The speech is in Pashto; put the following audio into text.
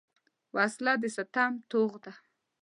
وسله د ستم توغ ده